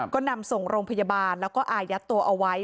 ก็นำส่งโรงพยาบาลแล้วก็อายัดตัวเอาไว้